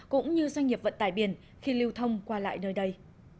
cũng như doanh nghiệp vận tải biển khi lưu thông qua lại nơi đây